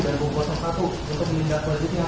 dari satu untuk meningkatkan kualitas yang